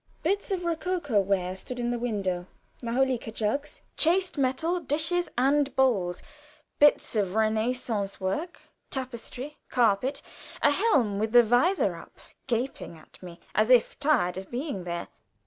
Bits of rococo ware stood in the window, majolica jugs, chased metal dishes and bowls, bits of Renaissance work, tapestry, carpet, a helm with the vizor up, gaping at me as if tired of being there.